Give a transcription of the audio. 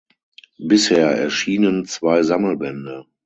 Bisher erschienen zwei Sammelbände.